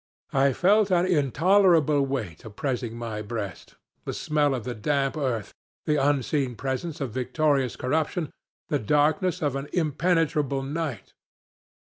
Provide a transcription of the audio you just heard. I felt an intolerable weight oppressing my breast, the smell of the damp earth, the unseen presence of victorious corruption, the darkness of an impenetrable night.